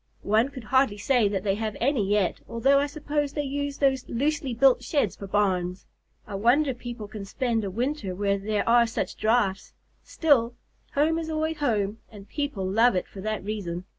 One could hardly say that they have any yet, although I suppose they use those loosely built sheds for barns. I wonder people can spend a winter where there are such drafts; still, home is always home, and people love it for that reason.